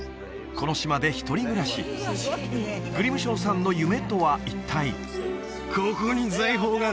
この島で一人暮らしグリムショーさんの夢とは一体？